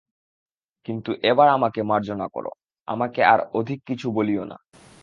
কিন্তু এবার আমাকে মার্জনা করো, আমাকে আর অধিক কিছু বলিয়ো না।